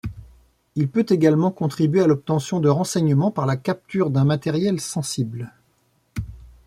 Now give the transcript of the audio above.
Il peut également contribuer à l'obtention de renseignements par la capture d'un matériel sensible.